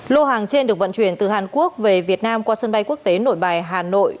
lô hàng trên được vận chuyển từ hàn quốc về việt nam qua sân bay quốc tế nội bài hà nội